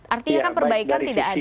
artinya kan perbaikan tidak ada